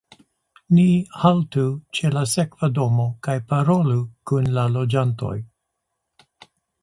Ni haltu ĉe la sekva domo kaj parolu kun la loĝantoj.